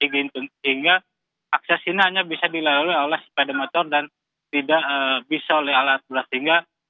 sehingga akses ini hanya bisa dilalui oleh sepeda motor dan tidak bisa oleh alat berat sehingga